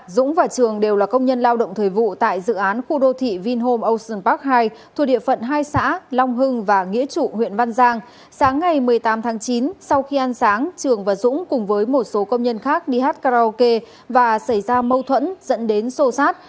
sáng ngày một mươi tám tháng chín sau khi ăn sáng trường và dũng cùng với một số công nhân khác đi hát karaoke và xảy ra mâu thuẫn dẫn đến sô sát